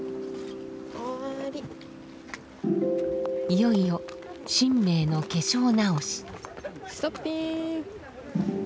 いよいよ神馬への化粧直し。